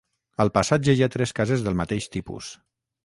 Al passatge hi ha tres cases del mateix tipus.